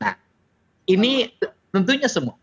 nah ini tentunya semua